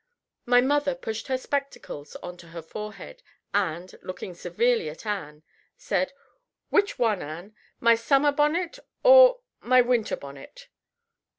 My mother pushed her spectacles on to her forehead, and, looking severely at Ann, said: "Which one, Ann? My summer bonnet, or my winter bonnet?"